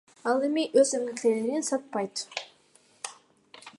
Ал эми өз эмгектерин сатпайт.